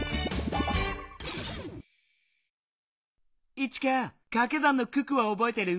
イチカかけ算の九九はおぼえてる？